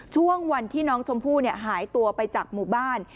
ช่วงวันที่น้องชมพู่หายตัวไปจากหมู่บ้าน